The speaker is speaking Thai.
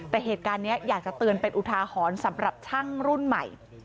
แต่เหตุการณ์นี้อยากจะเตือนเป็นอุทาหรณ์สำหรับช่างรุ่นใหม่